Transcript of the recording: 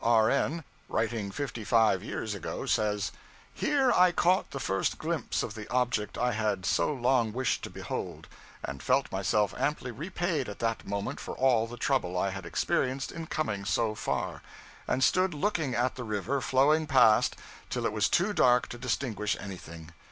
R.N., writing fifty five years ago, says 'Here I caught the first glimpse of the object I had so long wished to behold, and felt myself amply repaid at that moment for all the trouble I had experienced in coming so far; and stood looking at the river flowing past till it was too dark to distinguish anything.